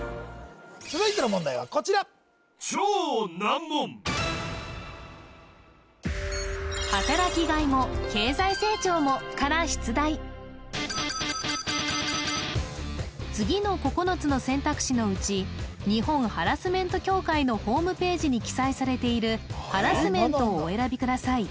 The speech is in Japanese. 続いての問題はこちらから出題次の９つの選択肢のうち日本ハラスメント協会のホームページに記載されているハラスメントをお選びください